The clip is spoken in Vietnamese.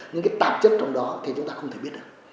những cái tạp chất trong đó thì chúng ta không thể biết được